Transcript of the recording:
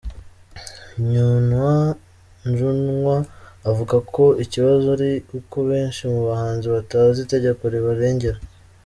Njunwa, avuga ko ikibazo ari uko benshi mu bahanzi batazi itegeko ribarengera.